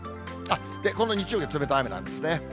この日曜日、冷たい雨なんですね。